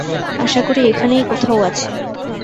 আশা করি এখানেই কোথাও আছে।